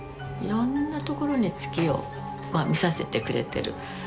いろんなところに月を見させてくれてる。